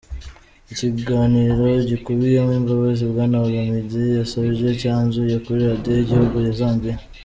Ikiganiro gikubiyemo imbabazi Bwana Olomide yasabye cyanyuze kuri radio y'igihugu ya Zambia.